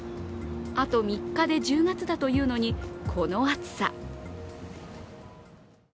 あと３日で１０月だというのに、この暑さ。